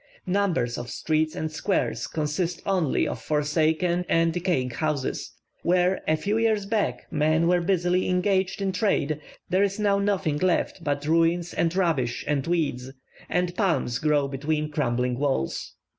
Numbers of streets and squares consist only of forsaken and decaying houses. Where, a few years back, men were busily engaged in trade, there is now nothing left but ruins and rubbish and weeds, and palms grow between crumbling walls.